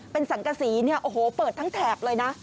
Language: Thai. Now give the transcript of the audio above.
เป็นสังกษีเนี่ยโอ้โหเปิดทั้งแถบเลยนะ